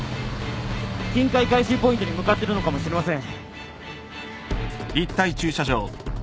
金塊回収ポイントに向かってるのかもしれません。